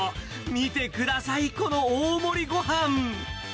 見てください、この大盛りごはん。